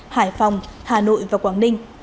hải phòng hà nội và quảng ninh